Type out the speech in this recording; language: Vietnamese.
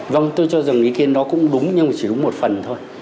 vâng tôi cho rằng ý kiến nó cũng đúng nhưng mà chỉ đúng một phần thôi